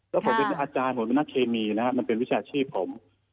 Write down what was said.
แล้วผมเป็นอาจารย์ผมเป็นนักเคมีนะครับมันเป็นวิชาชีพผม